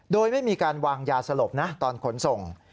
โดยไม่มีการวางยาสลบนะตอนขนส่ง